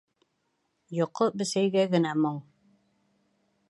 Йоҡо бесәйгә генә моң.